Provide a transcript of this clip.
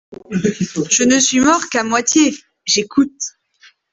Je ne suis mort qu'à moitié : j'écoute.